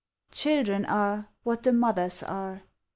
Children are what the mothers are.